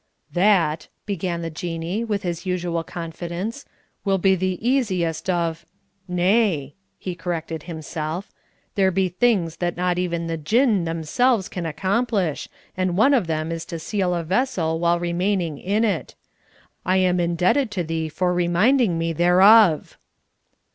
"That," began the Jinnee, with his usual confidence "will be the easiest of nay," he corrected himself, "there be things that not even the Jinn themselves can accomplish, and one of them is to seal a vessel while remaining in it. I am indebted to thee for reminding me thereof."